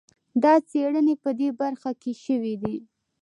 دا څېړنې په دې برخه کې شوي دي.